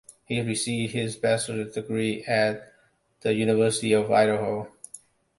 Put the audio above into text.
He received his Bachelor's degree at the University of Idaho.